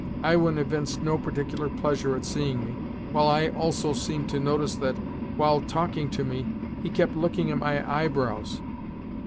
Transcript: Iwin evinced no particular pleasure at seeing me, while I also seemed to notice that, while talking to me, he kept looking at my eyebrows.